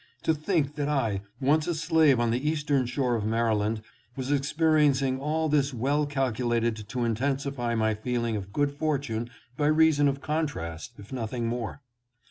To think that I, once a slave on the eastern shore of Maryland, was experiencing all this was well calcu lated to intensify my feeling of good fortune by reason of contrast, if nothing more.